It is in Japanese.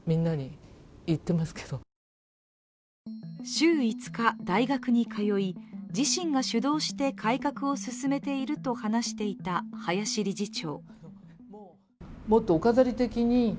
週５日大学に通い、自身が主導して改革を進めていると話していた林理事長。